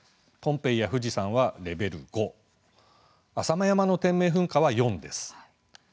ポンペイや富士山はレベル５浅間山の天明噴火は４です。